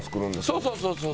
そうそうそうそう！